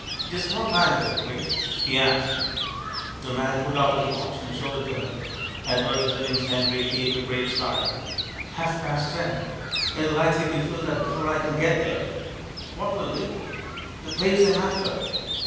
"Just what time is it, please?" he asked. The man pulled out a watch and showed it to him. Edward Billings Henry heaved a great sigh. "Half past ten! It'll likely be filled up before I can get there." "What will be?" "The place I'm after."